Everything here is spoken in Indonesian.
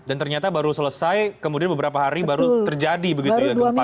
dan ternyata baru selesai kemudian beberapa hari baru terjadi begitu